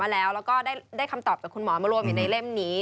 แล้วก็ได้คำตอบจากคุณหมอมารวมอยู่ในเล่มนี้